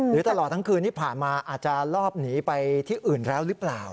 ตลอดทั้งคืนที่ผ่านมาอาจจะลอบหนีไปที่อื่นแล้วหรือเปล่า